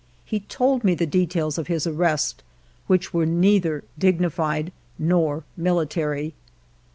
He told me the details of his arrest, which were neither dignified nor military.